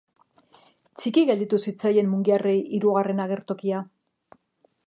Txiki gelditu zitzaien mungiarrei hirugarren agertokia.